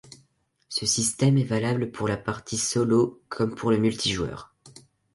Ce système est valable pour la partie solo comme pour le multijoueur.